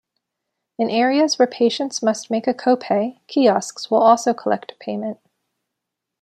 In areas where patients must make a co-pay, kiosks will also collect payment.